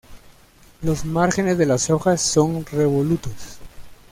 Los márgenes de las hojas son revolutos.